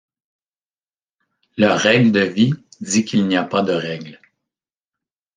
Leur règle de vie dit qu'il n'y a pas de règles.